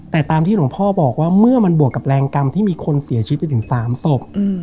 แต่ตามที่หลวงพ่อบอกว่าเมื่อมันบวกกับแรงกรรมที่มีคนเสียชีวิตไปถึง๓ศพ